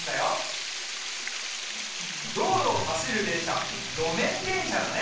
どうろをはしるでんしゃろめんでんしゃだね。